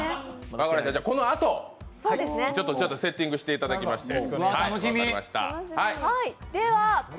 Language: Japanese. このあと、ちょっとセッティングしていただいて。